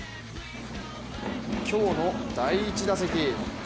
今日の第１打席。